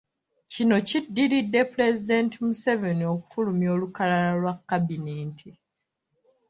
Kino kiddiridde Pulezidenti Museveni okufulumya olukalala lwa kabineeti.